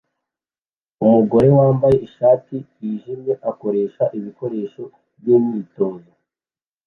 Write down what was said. Umugore wambaye ishati yijimye akoresha ibikoresho by'imyitozo